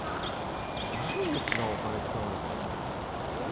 何に一番お金使うのかな？